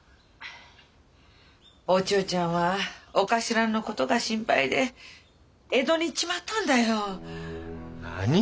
お千代ちゃんはお頭の事が心配で江戸に行っちまったんだよ。何！？